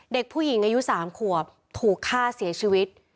เด็กผู้หญิงอายุ๓ขวบถูกฆ่าเสียชีวิต